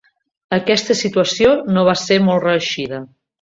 Aquesta situació no va ser molt reeixida.